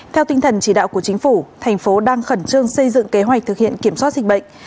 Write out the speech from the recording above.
theo tinh thần chỉ đạo của chính phủ thành phố đang khẩn trương xây dựng kế hoạch thực hiện kiểm soát dịch bệnh